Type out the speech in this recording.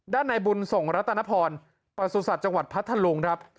ในบุญส่งรัตนพรประสุทธิ์จังหวัดพัทธลุงครับ